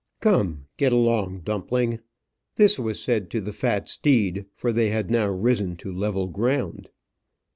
"Come, get along, Dumpling." This was said to the fat steed; for they had now risen to level ground.